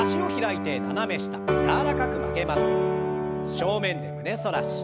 正面で胸反らし。